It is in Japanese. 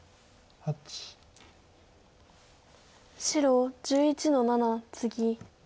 白１１の七ツギ。